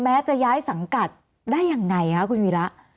จะย้ายสังกัดได้ยังไงคะคุณวีระ